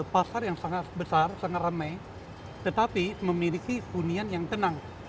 pasar yang sangat besar sangat ramai tetapi memiliki hunian yang tenang